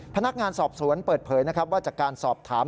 พนักงานสอบสวนเปิดเผยนะครับว่าจากการสอบถาม